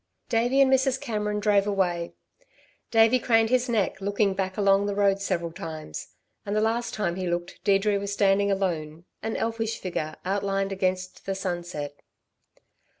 Davey and Mrs. Cameron drove away. Davey craned his neck, looking back along the road several times, and the last time he looked Deirdre was standing alone, an elfish figure outlined against the sunset.